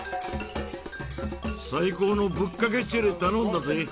最高のぶっかけチェレ頼んだぜ。